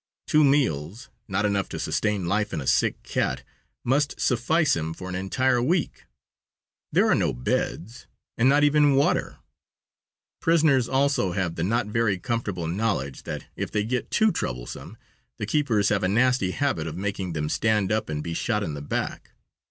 Two meals, not enough to sustain life in a sick cat, must suffice him for an entire week. There are no beds, and not even water. Prisoners also have the not very comfortable knowledge that, if they get too troublesome, the keepers have a nasty habit of making them stand up and be shot in the back.